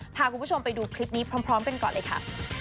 พาคุณผู้ชมไปดูคลิปนี้พร้อมกันก่อนเลยค่ะ